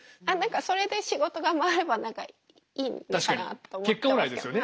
それで仕事が回れば何かいいのかなと思ってますけど。